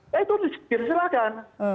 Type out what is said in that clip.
ya itu terserahkan